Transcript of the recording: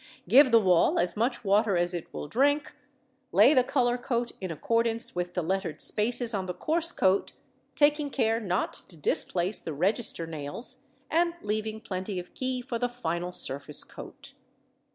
give the wall as much water as it will drink: lay the colour coat in accordance with the lettered spaces on the coarse coat, taking care not to displace the register nails, and leaving plenty of key for the final surface coat.